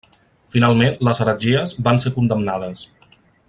Finalment les heretgies van ser condemnades.